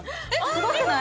すごくない？